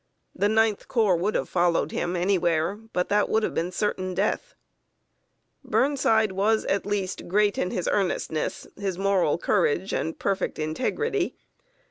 The Ninth Corps would have followed him anywhere; but that would have been certain death. Burnside was, at least, great in his earnestness, his moral courage, and perfect integrity.